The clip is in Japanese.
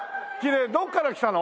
どっから来たの？